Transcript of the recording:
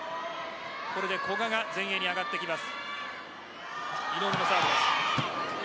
これで古賀が前衛に上がってきます。